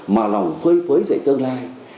mà lòng phơi phới dậy tương lai